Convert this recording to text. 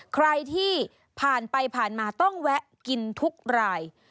ใครที่ผ่านไปผ่านมาต้องแวะกินทุกราย